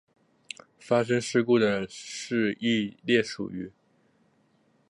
发生事故的是一列属于。